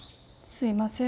すいません。